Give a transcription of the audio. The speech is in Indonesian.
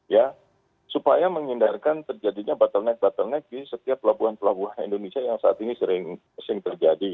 ya supaya menghindarkan terjadinya batal naik batal naik di setiap pelabuhan pelabuhan indonesia yang saat ini sering terjadi